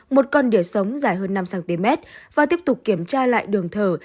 một con đỉa sống dài hơn năm cm và tiếp tục kiểm tra lại đường thở